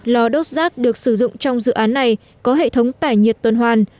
lò đốt rác được sử dụng trong dự án này có hệ thống tải nhiệt tuần hoàn